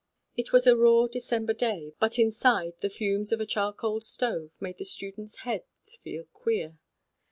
It was a raw December day, but inside the fumes of a charcoal stove made the students' heads feel queer.